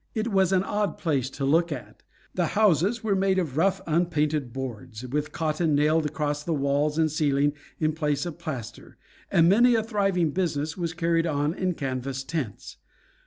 It was an odd place to look at. The houses were made of rough unpainted boards, with cotton nailed across the walls and ceiling in place of plaster; and many a thriving business was carried on in canvas tents.